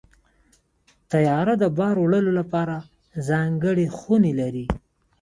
طیاره د بار وړلو لپاره ځانګړې خونې لري.